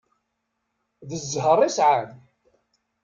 D ẓẓher i sεan.